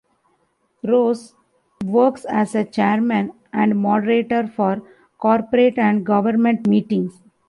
Ross works as a chairman and moderator for corporate and government meetings.